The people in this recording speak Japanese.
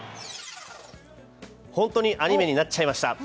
本当にアニメになっちゃいました。